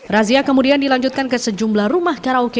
razia kemudian dilanjutkan ke sejumlah rumah karaoke